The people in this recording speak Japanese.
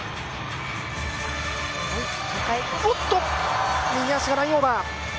おっと、右足がラインオーバー！